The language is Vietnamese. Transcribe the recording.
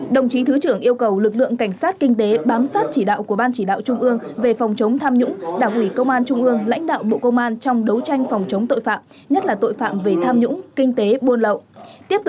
đồng chí thứ trưởng yêu cầu lực lượng cảnh sát kinh tế bám sát chỉ đạo của ban chỉ đạo trung ương về phòng chống tham nhũng đảng ủy công an trung ương lãnh đạo bộ công an trong đấu tranh phòng chống tội phạm nhất là tội phạm về tham nhũng kinh tế buôn lậu